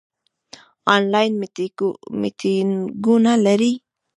آنلاین میټینګونه لرئ؟